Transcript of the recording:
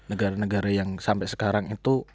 negara negara yang sampai sekarang itu